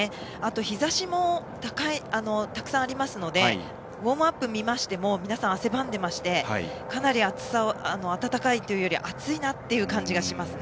日ざしもたくさんありますのでウォームアップを見ても皆さん、汗ばんでいて暖かいというよりも暑い感じがしますね。